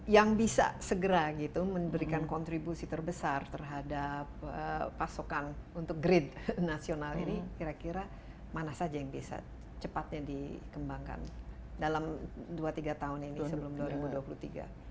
yang bisa segera gitu memberikan kontribusi terbesar terhadap pasokan untuk grid nasional ini kira kira mana saja yang bisa cepatnya dikembangkan dalam dua tiga tahun ini sebelum dua ribu dua puluh tiga